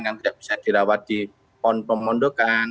yang tidak bisa dirawat di pon pemondokan